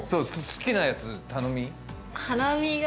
好きなやつ頼みおっ！